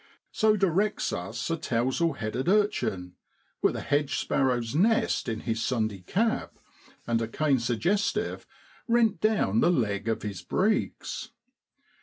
So directs us a tousle headed urchin, with a hedge sparrow's nest in his Sunday cap and a cane suggestive rent down the leg of his breeks.